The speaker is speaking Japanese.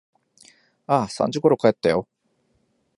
ああ、三時ころ帰ったよ。